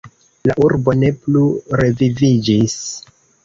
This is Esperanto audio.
La urbo ne plu reviviĝis.